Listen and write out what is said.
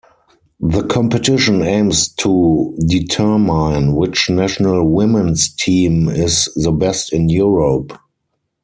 The competition aims to determine which national women's team is the best in Europe.